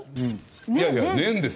いやいや年です。